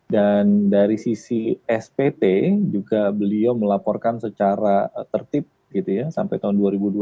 dan dari sisi spt juga beliau melaporkan secara tertib gitu ya sampai tahun dua ribu dua puluh dua